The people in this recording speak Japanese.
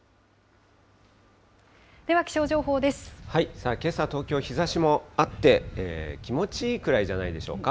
さあ、けさ、東京、日ざしもあって、気持ちいいくらいじゃないでしょうか。